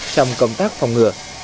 trong công tác phòng ngừa